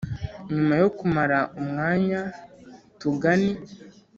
Nyuma yo kumara umwanya tugani